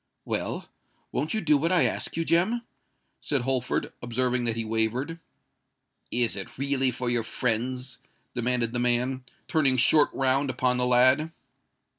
"Well—won't you do what I ask you, Jem?" said Holford, observing that he wavered. "Is it really for your friends?" demanded the man, turning short round upon the lad.